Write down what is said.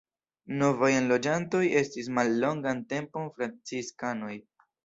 Novaj enloĝantoj estis mallongan tempon franciskanoj.